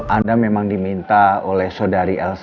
anda memang diminta oleh saudari elsa